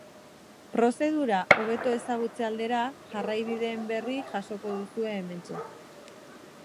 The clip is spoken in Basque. Prozedura hobeto ezagutze aldera, jarraibideen berri jasoko duzue hementxe.